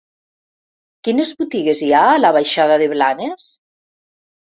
Quines botigues hi ha a la baixada de Blanes?